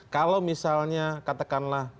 kalau misalnya katakanlah